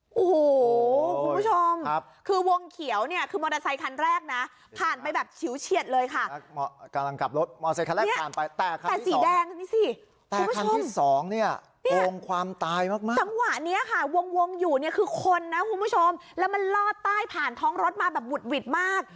โอ้โหคุณผู้ชมคือวงเขียวเนี่ยคือมอเตอร์ไซคันแรกนะผ่านไปแบบฉิวเฉียดเลยค่ะกำลังกลับรถมอเซคันแรกผ่านไปแตกค่ะแต่สีแดงนี่สิแตกคันที่สองเนี่ยโกงความตายมากมากจังหวะเนี้ยค่ะวงวงอยู่เนี่ยคือคนนะคุณผู้ชมแล้วมันลอดใต้ผ่านท้องรถมาแบบบุดหวิดมาก